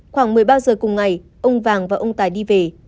khoảng một mươi ba giờ cùng ngày ông vàng và ông tài đi về